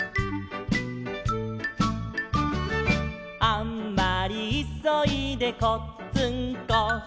「あんまりいそいでこっつんこ」